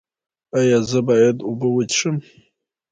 ایا زه باید اوبه وڅښم؟